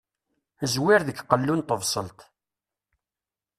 Zwir deg qellu n tebṣelt.